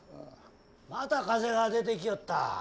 また風が出てきよった。